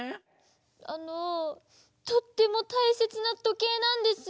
あのとってもたいせつなとけいなんです。